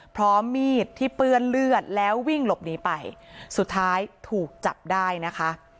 พร้อมมีดที่เปื้อนเลือดแล้ววิ่งหลบหนีไปสุดท้ายถูกจับได้นะคะ